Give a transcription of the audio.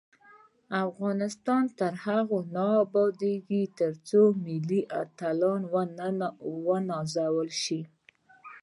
افغانستان تر هغو نه ابادیږي، ترڅو ملي اتلان ونازل شي.